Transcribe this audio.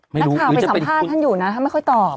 นักข่าวไปสัมภาษณ์ท่านอยู่นะท่านไม่ค่อยตอบ